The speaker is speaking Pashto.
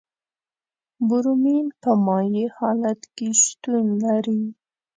برومین په مایع حالت کې شتون لري.